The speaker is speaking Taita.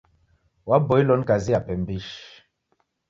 Waboilo ni kazi yape mbishi.